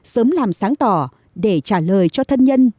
sớm làm sáng tỏ để trả lời cho thân nhân